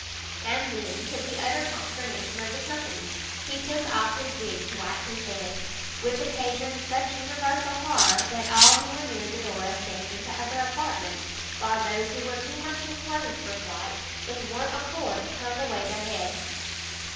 And then, to the utter consternation of the company, he took off his wig to wipe his head! which occasioned such universal horror, that all who were near the door escaped into other, apartments, while those who were too much enclosed, for flight, with one accord turned away their heads.